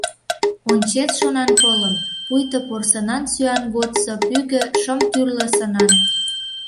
Ончет шонанпылым — пуйто порсынан сӱан годсо пӱгӧ шым тӱрлӧ сынан.